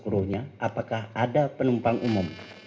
krow nya apakah ada penumpang umum